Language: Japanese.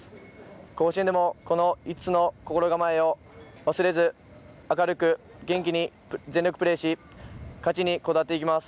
甲子園でもこの５つの心構えを忘れず明るく元気に全力プレーし勝ちにこだわっていきます。